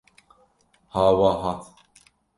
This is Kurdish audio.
Ha wa hat!